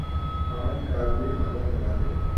پانچ کالمی خبر لگاتے۔